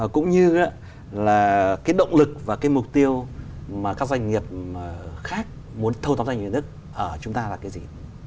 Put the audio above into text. cũng như là cái động lực và cái mục tiêu mà các doanh nghiệp khác muốn thâu tóm doanh nghiệp nhà nước ở chúng ta là cái gì